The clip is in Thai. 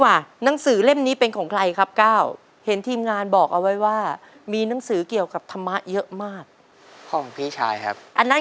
เลือกไม่ตรงกันเลยนะค่ะเห้ย